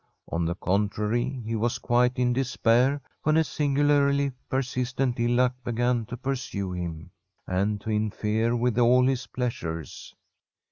On the contrary, he was quite in despair when a singularly persistent ill luck be gan to pursue him, and to interfere with all his pleasures.